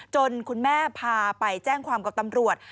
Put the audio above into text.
คุณแม่พาไปแจ้งความกับตำรวจ